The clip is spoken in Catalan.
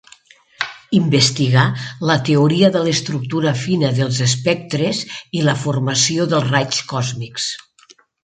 Investigà la teoria de l'estructura fina dels espectres i la formació dels raigs còsmics.